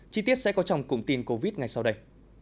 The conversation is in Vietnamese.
chi tiết sẽ có trong cùng tin covid ngay sau đây